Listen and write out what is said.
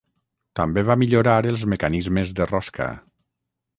També va millorar els mecanismes de rosca.